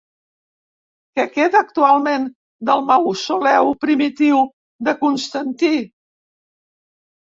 Què queda actualment del mausoleu primitiu de Constantí?